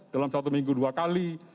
dalam satu minggu dua kali